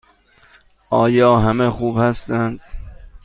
آیا همه خوب هستند؟